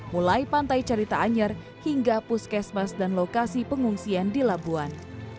mulai pantai carita anyar hingga puskesmas dan lokasi pengungsian di labuan